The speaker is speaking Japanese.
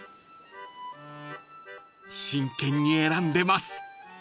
［真剣に選んでます］